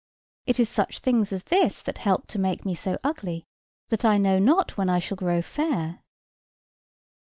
It is such things as this that help to make me so ugly, that I know not when I shall grow fair."